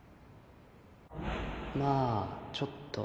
まあちょっと